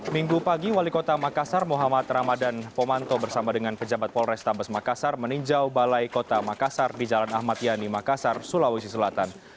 minggu pagi wali kota makassar muhammad ramadan pomanto bersama dengan pejabat polrestabes makassar meninjau balai kota makassar di jalan ahmad yani makassar sulawesi selatan